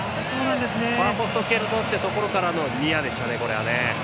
ファーポスト蹴るぞという中でのニアでしたね。